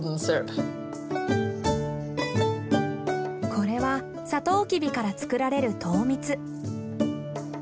これはサトウキビから作られる糖蜜。